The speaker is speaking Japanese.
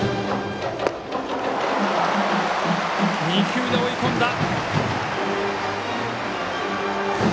２球で追い込んだ。